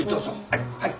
はいはい。